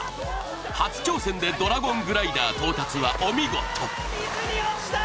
初挑戦でドラゴングライダー到達はお見事。